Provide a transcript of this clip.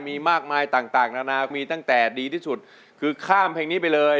มีมากมายต่างนานามีตั้งแต่ดีที่สุดคือข้ามเพลงนี้ไปเลย